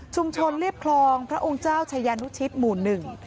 เรียบคลองพระองค์เจ้าชายานุชิตหมู่หนึ่ง